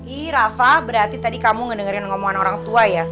i rafa berarti tadi kamu dengerin ngomongan orang tua ya